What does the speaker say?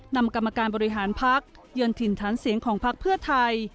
นำกรรมการบริหารพักเยือนถิ่นฐานเสียงของพักเพื่อไทย